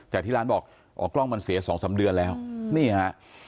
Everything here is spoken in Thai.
แต่ที่ร้านบอกกล้องมันเสียสองสามเดือนแล้วนี่ค่ะ